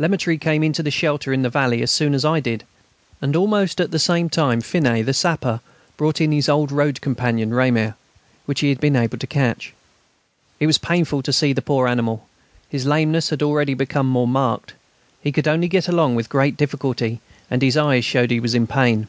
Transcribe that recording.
Lemaître came in to the shelter in the valley as soon as I did; and almost at the same time Finet, the sapper, brought in his old road companion "Ramier," which he had been able to catch. It was painful to see the poor animal; his lameness had already become more marked. He could only get along with great difficulty, and his eyes showed he was in pain.